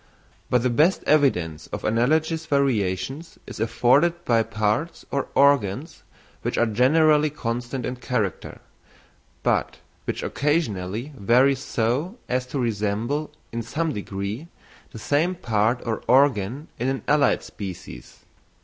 But the best evidence of analogous variations is afforded by parts or organs which are generally constant in character, but which occasionally vary so as to resemble, in some degree, the same part or organ in an allied species.